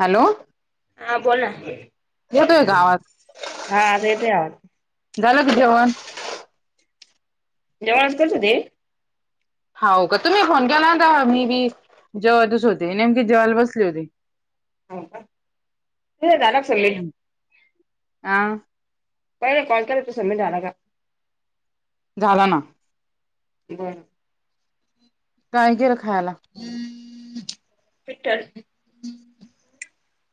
Hello हा बोला येतोय का आवाज हा आता येतय आवाज झालं का जेवण जेवानच करत होते. हाव का तुम्ही फोन केला होता तेव्हा मी बी जेवतच होते नेमकीच जेवायला बसले होते. हो का नय झाला का सबमिट आ पहिला कॉल केला तो सबमिट झाला का? झाला ना बरं कायं केल खायाला पिट्टल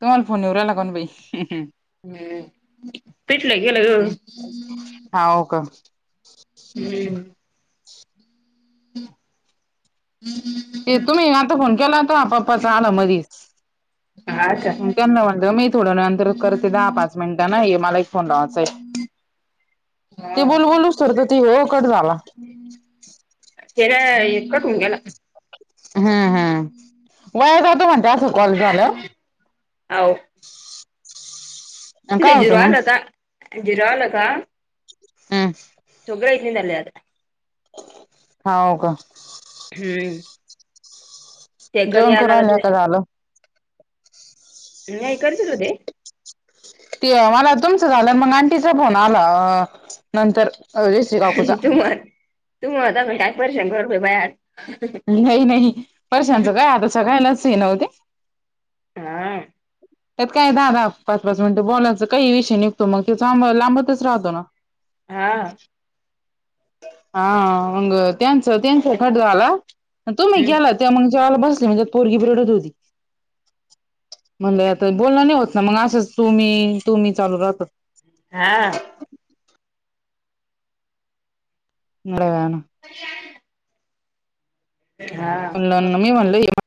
तुम्हालां फोन येऊ राहीला कमून बाई हम्म पिटल केल ग हाऊ का हूं [inaudible] ते तुम्ही आता फोन केला होता पप्पाचा आला मधी हा का मंग त्यांना म्हटलं मी थोड्या वेळा नंतर करते दहा पाच मिनिटाना हे मला एक फोन लावायचाय. हा ते बोलू बोलु स्तवर ते हे कट झाला. तेला हे कटून गेला. हा हा वाया जातो म्हणत्या अस कॉल झाल्यावर. आव ते काय झिरो होतं मग का झिरो का आ तु गय क्लीन झाले आता हाव का हम्म ते कधी जेवण करून आला राहिल्या का तिथे झालं. नाही करतीच होते. ते मला तुमचं झालां मंग आंटीचा फोन आला अ अ नंतर जयश्री काकूचा तुमलां तुमलां [unintelligible] काय परेशान करते बाया आज नाही नाही परेशांचं काय आता सगळ्यांनाच हाय नव्ह ते हा त्यात काय दहा दाहा पाच पाच मिनटं बोलायचं काही विषय निघतो मग ते चांब लांबतच राहतो ना हा हा मंग त्यांच त्यांच कट झाला तुम्ही हम्म केलात त्या मंग जेवला बसले म्हणजे पोरगी बी रडत होती. म्हणलं आता बोलण नाही होत ना मंग असंच तुम्ही तुम्ही चालू राहत. हा एवढ्या वेळानं [unintelligible] हा [unintelligible]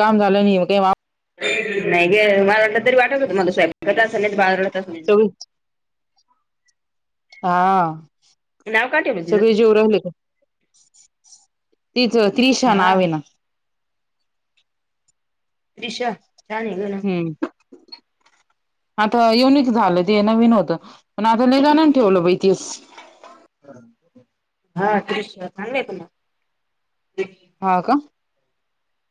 काम झालं नाही [unintelligible] नाही गे मला वाटलं तरी वाटत होतं माझ स्वयंपाक असल नाहीतर बाळ रडत असल. हम आ. नाव काय ठेवल तिज? [unintelligible] तिच त्रिशा हा नावे येना. त्रिषा छान ग नाव. [unintelligible] आता युनिक झालं ते नवीन होतं पण आता लय जणांनी ठेवलं बाई तेच. हा कृष्णा चांगल ऐकी नाव. हा का.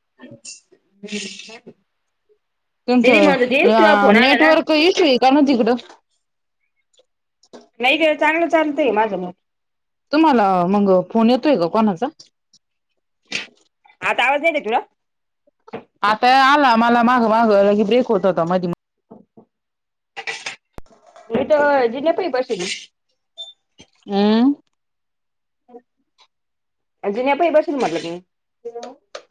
[inaudible] दिदी तुमचं म्हणत होती अ तुझा फोन आला ना? नेटवर्क ईशु आहे का ना तिकडं? नाही ग चांगलं चालतंय माझं मोब तुम्हांला मंग फोन येतोय का कोणाचा? आता आवाज येते तुला? आता आला मला माग मागवलं की ब्रेक होत होता मधी मी तर जिना पाई बैसली. अमम. जीना पाई बसून म्हटलं मी.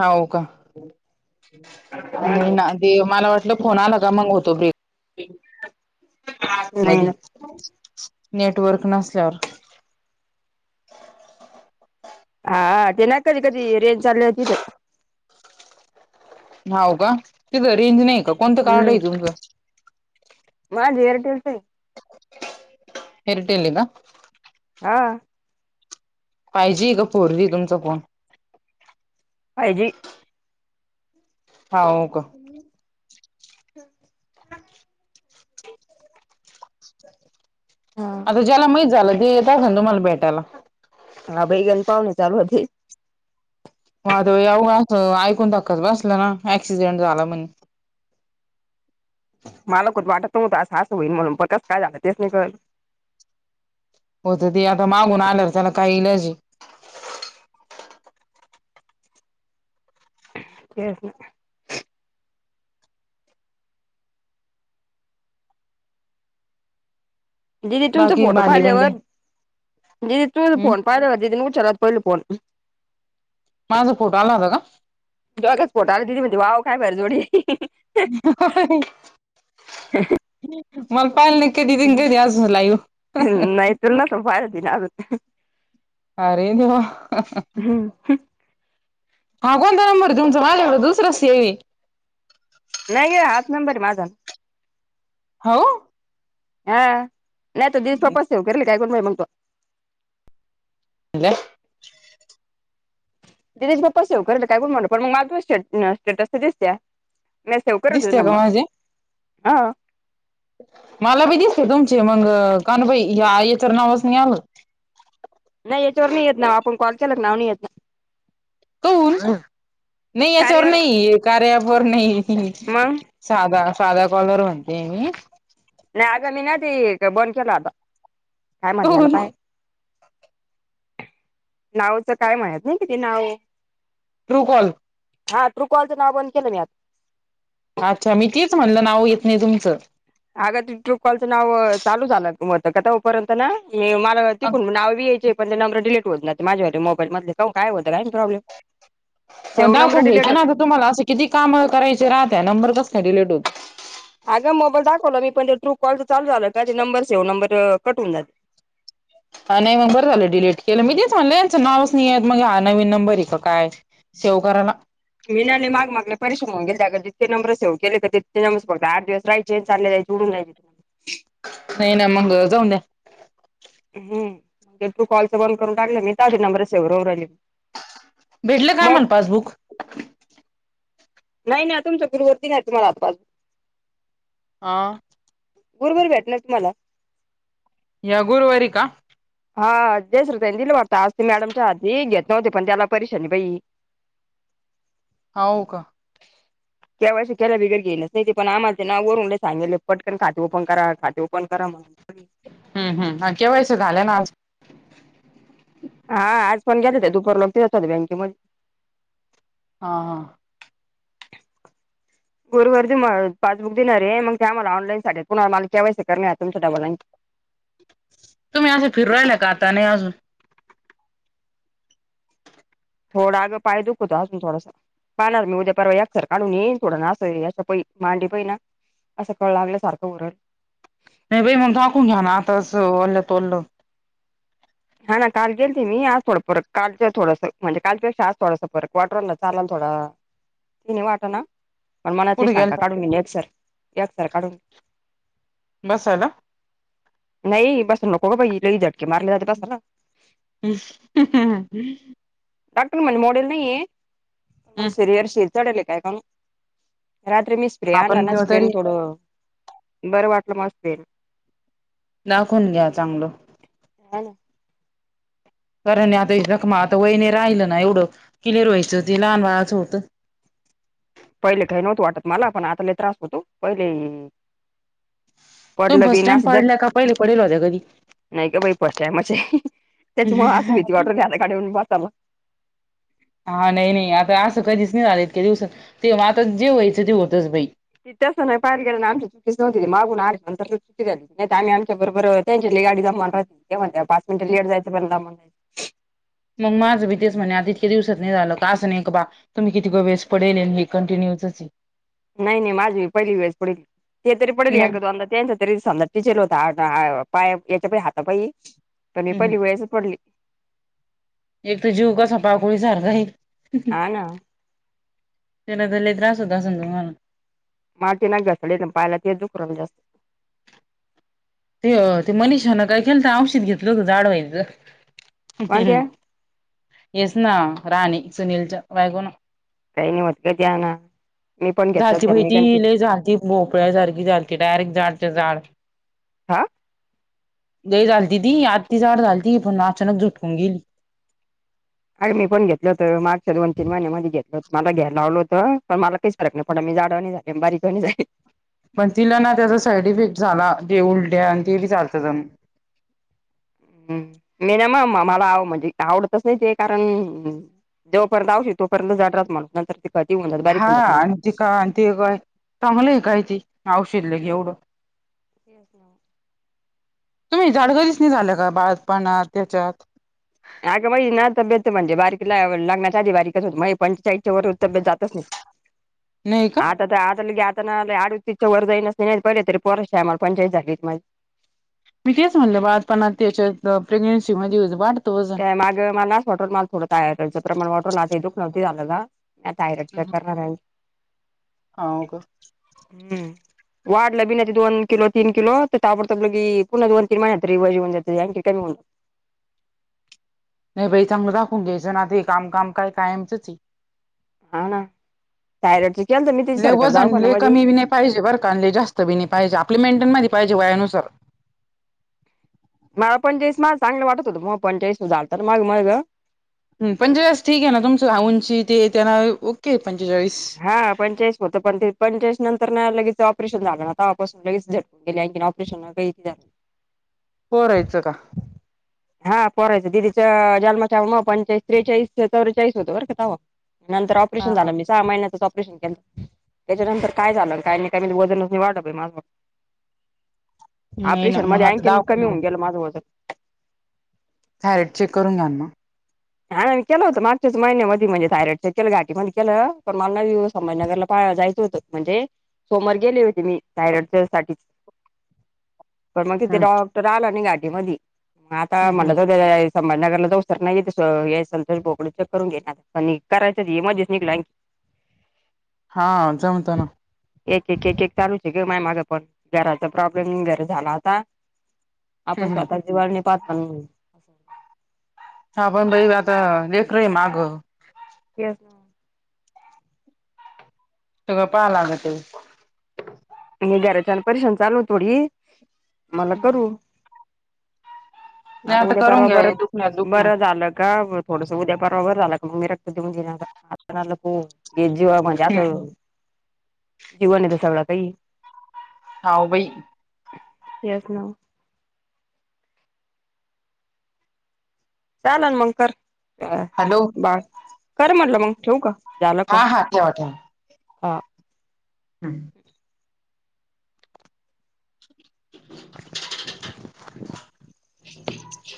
आओ का? ह [inaudible] [inaudible] नाही ना दे मला वाटलं फोन आला का मंग होत ब्रेक [unintelligible] मधी नेटवर्क नसल्यावर हा ते ना कधी कधी रेंज चालले तीथ. हाव का तिथ रेंज नाही का कोणतं कार्ड आहे तुमचं? माझ ऐअर टेलचये. ऐअर टेलये ना. आ. फाय जी का फोर जी ये तुमचा फोन? Five G. हाव ओ का. हम् [unintelligible] [inaudible] आता हा ज्याला माहीत झालं ते येतात संध्याकाळ मला भेटायला. हा बाई यांचा आजून चालवते. माधव येवं असं ऐकून धक्कच बसलं ना ऍक्सिडेंट झाला म्हणे. मला खर वाटत नव्हत असं हं होईल म्हणून कस काय झालं तेच नाही कळ होत ते आता मागून आल्यावर त्याला काय इलाजये. [unintelligible] दीदी तुमचा बाकी फोटो भांडी भिंडी पाहिल्यावर दीदी तुम हम्म फोन पाहिल्यावर दीदी उचलला पहिले फोन माझा फोटो आला होता का? तगच पोटा आला दिदी म्हणते वाव काय भर जोडी होय. मला पाहिल न कती [unintelligible] चला सभायतीन आ अरें देवा. हम ह हा कोणता नंबर आहे तुमचा माझ्याकडे दुसरा सेव ये. नाहीये हाच नंबर आहे माझा. हाओ. हा नाही त दिवस तपास ठेऊ केल काय करण मगतो [unintelligible] तच म पसेेव करत कायण म्हण पण मग माझ त स्टेटसस [unintelligible] म सव करून दिसते का नमक माझे हा. मला बी दिसते तुमचे मग कानबाई या याच्या नावाच नाही आलं. नाही याच्यावर नाही येत ना आपण कॉल केला नाव येत कन नाही याच्यावर कार्यावर नाही कार्य अँप वर नाही. मग साध साध कॉलर म्हणते मी. नाही आग मी ना ती बंद केला आता काय म्हण झालं काऊन पाहे नावचं काय म्हणत नाही किती नाव टरूकल हा ट्रुकॉलचं नाव बंद केलं मी आता. अच्छा मी तेच म्हणलं नाव येत नाही तुमचं. अग त टूप कॉलचं नाव चालू झाचाल होत पर्यंत ना मला नाव [unintelligible] पण ते नंबर डिलीट होत ना ते माझ्या मोबाईलधले का काय होत आहे प्रॉब्लम मग सेव्ह नंबर दाखवून घ्यायच डिलीट ना आता तुम्हाला असं किती काम करायचे राहत नंबर कस नाही डिलेट होत अगं मोबाईल दाखवला मी पण ते ट्रू कॉल चालु झाललं का ते नंबर सेव नंबर कटवून जाते. हा नाही मग बरं झालं डिलीट केलं मी तेच म्हणलंचं नावच नाहीय मग हा नवीन नंबर आहे का काय. शेव कराना. मनाने माग मागले परशम होऊ गेले अ जितकेंबर सेव केले तर तिते नंबर बघत आठ दिवस राहिचे चाले जायचे जडून नाही ना मग जाऊन द्या. हम् म्हणजे तू कॉलच बंद करून टाकलं मी ती नंबर सेववरव भेटलं का मला पासबुक. नाही नाही तुमच्या गुवर्ती नाही तुम्हाला आपास हा बरोबर भेटल तुम्हाला. या गुरुवारी का? हा तेस रत दिलं वाटत आज ते मॅडमच्या हाती घेत नव्हते पण त्याला प पररीशानी बाई. [inaudible] होव का. [inaudible] केव केय बिर गेच नाही ते पण आमचं नाव वरूनले सांगले पटकन खाते पन करा खाते ओपन करा [inaudible] हम् हम् केव्हास झाले ना आज? हा आज पण घेत दुपार लोक तेचतात बँकेम हा हा! [inaudible] गुरुवार ते पासबुक देणार रे मग ते मला ऑनलाईन साठी पुन्हा केवायसी मला करणे आहे अजून मग. तुम्ही असं फिरू राहियला का आता नाही अजून? थोडा अग पाय दूखत अजून थोडासा. पाहणार मी उद्या परवा एक्स-रे काढून येईन थोड ना याच मांडी पहिना असं कळ लागल्या सारखं होऊन राहील. नाही बाई मग दाखवून घ्या ना आता असं वलं तोललं. हा ना काल गेलते मी आज थोड फरक काल थोडंस म्हणजे कालच्या पेक्षा आज थोडं फरक वाटू लागलं. चालाल थोडा तिन्ही वाट ना. पण मनातली कुठे शंका गेलता काढून नेतसर एक्स-रे काढून बस झाल. नाही बसू नको ग बाई लई झटके मारले जाते बसताना. इश्श ह हा हा! डॉक्टर म्हणे मोडल नाहीए मग सुरक्षिल. चढले काय का मग रात्री मी स्प्रे आणला आपण ना तरी स्प्रे थोडं. बरं वाटलं मस्त येल दाखवून घ्या चांगल. हो! कारण ये आता जखमा आता वय नाही राहिलं ना एवढं क्लिअर व्हायचं ते लहान वयात होतं. पहिले काही नव्हतं वाटत मला पण आता लय त्रास होतो पहिले. तुम्ही पडल फर्स्ट टाइम विनास जक. पडल्या का पहिले पडेल कधी- नाही ग बाई फस्ट टाईमच हाय त्याच्यामुळं मग अस भीती वाटू राहील काय फास्ट चालो. हा नाही नाही आता असं कधीच नाही झाले इतक्या दिवसात ते आता जे व्हायचं ते होतच बाई. तस नाही पाे ना आमची चुकी न मागून आंत चुकीली नाही आणखे बरोबर [unintelligible] त्यांच्यातली गाडीचा माल राहते ते म्हणता पाच मिनट लेट जायचं पण जावा. मग माझं पण तेच म्हणे आहे आता इतके दिवसात नाही झालं का असं नाही का बा. तुम्ही किती व वेळेस पडेल हे कंटिन्यूच. नाही नाही माझी पहिली वेळस पडेली ते तरी पडलेले आहे मग एकदा दोनदा. तरी संदा टिचेल होता अर्धा पाया याचा हाता पाई. पण मी हम्म पडली वेळेसच पडली. एक तर जीव कसा पाकोळी सारखा हाई. हा ना त्यान तर लय त्रास होत असेल तुम्हाला. माती ना घेत पाहिला ते दुखू राहील जास्त. ते ते मनीषांना काय केलत औषध घेतलं होत जाड व्हायचं. कोणत्या येस ना राणी सुनीलच बायकोन. काही नाही होत घ्या ना मी पण घेतल होत्या मेकांची. भोपळ्या सारखी जॅकेट हाय जाडचा जाड. हा! लय झालती ती अती जाड झालती पण अचानक झुटकून गेली. अरे मी पण घेतल होतं मागच्या दोन तीन महिन्या मध्ये घेतलं होत मला घ्याय लावलं होत पण मला काहीच फरक नाही पडला मी जाड अणि झाले अणि बारीक नाही झाले. पण तिला ना त्याचा साईड इफेक्ट झाला ते उलट्या आणि ते वि चालतं जण. हम्म मी ना म मला म्हणजे आवडतच नाही ते कारण जो पर्यंत औषध तोपर्यंत जाडच म्हणत नंतर ते खटी होऊन जात बारीक हा होऊन जात आणि ते का आणि ते काय चांगलंय काय ते औषध लय एवढं. तुम्ही जाड कधीच नाही का झाल्या का बाळपणात त्याच्यात? अगं मई ना तब्येत म्हणजे बारीकला लग्नाचा आधी बारीकच होत पंचाईच्या वर हो तब्ब्येत जातच नाही नाही का? आठ आता लय ग आता ना आडउतीच्या वर जाईन नसते पहिले तरी पोरस टायमाला पंचायत झालीत म. मी तेच म्हणलं बाळात पणात त्याच्यात प्रेग्नेन्सी मध्ये वाढतोच. मागं मलास वॉटर माल थोडं तयार करायच प्रमाण वॉटरल ते दुख नव्हती झालं गं. या थायरॉइड चेक करणार आहे. हाव का? हम्म. वाढलं बिन ती दोन किलो तीन किलो तर ताबोडतोब लगी पुन्हा दोन तीन महिन्यात रिवज येऊन जात आणखी कमी होऊ. नाही बाई चांगलं दाखवून घ्यायचा ना ते कामकाम काय कायमचेच आहे. हाव ना थायरॉइडची केलं तर मी तिची लय सरकार बाऊ वजन पण आहे लय मधी. कमी बी नाही पाहिजे वर्कांली जास्त बिनी पाहिजे आपली मेंटेनमध्ये पाहिजे वयानुसार. मला पंचावीस मला चांगलं वाटत होतं मग पंचावीस झालं तर मग मग हम्म पंचेचाळीस ठीक आहे ना तुमचं हा ऊंची ते त्यांना ओके पंचेचाळीस. हा पंचाळीस होतं पण ते पंचाळीस नंतर ना लगेच ऑपरेशन झालं ना आतापासून लगेच झ केल्या की नाय ऑपरेशन. [unintelligible] पोरायचं का? हा पोरायचं दिदीचा जन्माच्या मग पंचे त्रेचाळीस चौवेचाळीस होतं बरं का तव्हा. नंतर हा ऑपरेशन हा झाला मिस सहा महिन्यातच ऑपरेशन के [inaudible] त्याच्यानंतर काय झालं काही नाही काही वजन वाटत माझं. नाही ना ऑपरेशन मग मध्ये आता आणखीन कमी दाखवून घे होऊन गेलं माझं वजन. थायरॉइड चेक करून घ्यान म. हा मी केलं होतं मार्चच्या महिन्या मध्ये म्हणजे थायरॉईडचा केलं घाटी मध्ये केलं पण मला नवी संभजनगरला पाहा जायचं होतं. म्हणजे सोमवार गेले होते मी थायरडच्या साठीच. पण म तिथे हम्म डॉक्टर आला नाही घाटी मधी आता हम्म मला हम्म. [unintelligible] संभाजनगरला जायचं तर नाहीये तशी तर याय संतर बोकडी चेक करून घेणार आणि करायच मधी निघलंग की. हा जमतो ना. एक एक एक एक चालूच आहे माय मागं पण घराचा प्रॉब्लेम वगैरे झाला होता. आपण हम्म हम्म. स्वतःची वाळणी पाहत पण हा पण बाई म आता लेकरं ही मागं. यस ट गं पाहा लागते. मी घराच्यान परीक्षण चालू थोडी मला करू. नाही आता उद्या करून परवा घ्या हे बरत दुखण्यात दुखणं बरं हम्म. झालं का ब थोडसा उद्या बरोबर झालं क मग मी रक्त देऊन [unintelligible] को. हे जीवा म्हणजे असं जीवन आहे त सगळं काही. हाव बाई. तेयच नावं चालल मंग कर [unintelligible] हॅलो कर म्हटलं मंग ठेवू का? झालं हा कॉल हा ठेवा ठेवा. हा हम्. [inaudible] [inaudible]